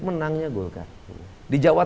menangnya golkar di jawa